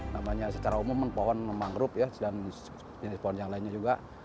namanya secara umum pohon mangrove dan jenis pohon yang lainnya juga